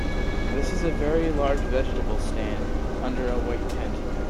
This is a very large vegetable stand under a white tent.